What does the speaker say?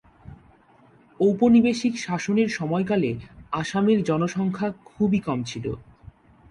ঔপনিবেশিক শাসনের সময়কালে আসামের জনসংখ্যা খুবই কম ছিল।